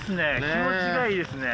気持ちがいいですね。